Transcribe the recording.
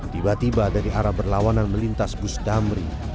tiba tiba dari arah berlawanan melintas bus damri